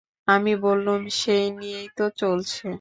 আমি বললুম, সেই নিয়েই তো চলছে।